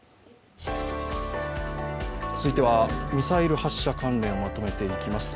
続いてはミサイル発射関連をまとめていきます。